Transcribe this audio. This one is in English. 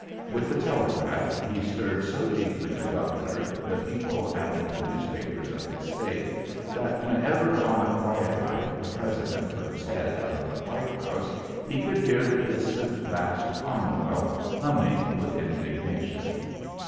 With the telegraph he stirred so deeply the governor, the people and the newspapers of his State that whenever on a quiet night the President put his head out of the White House he could hear the distant vast commonwealth humming with indignation.